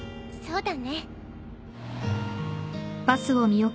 そうだね。